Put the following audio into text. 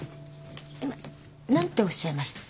今何ておっしゃいました？